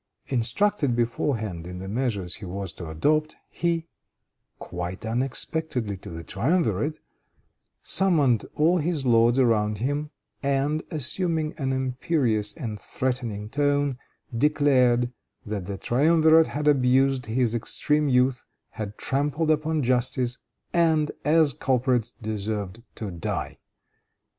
Instructed beforehand in the measures he was to adopt, he, quite unexpectedly to the triumvirate, summoned all his lords around him, and, assuming an imperious and threatening tone, declared that the triumvirate had abused his extreme youth, had trampled upon justice, and, as culprits, deserved to die.